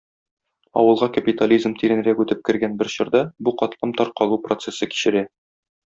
Авылга капитализм тирәнрәк үтеп кергән бер чорда бу катлам таркалу процессы кичерә.